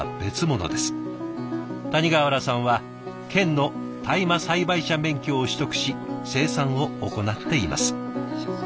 谷川原さんは県の大麻栽培者免許を取得し生産を行っています。